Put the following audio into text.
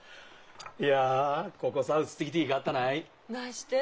いやここさ移ってきていがったない。なして？